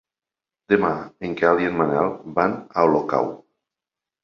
Demà en Quel i en Manel van a Olocau.